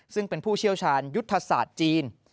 ซึ่งเป็นผู้เชี่ยวชาญยุทธศาสตร์จีน